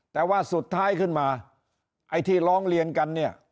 แต่ว่าสุดท้ายขึ้นมาไอ้ที่ร้องเรียนกันเนี่ย